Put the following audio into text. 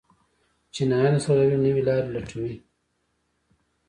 چینایان د سوداګرۍ نوې لارې لټوي.